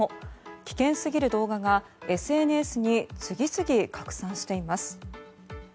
危険すぎる動画がＳＮＳに次々拡散しています。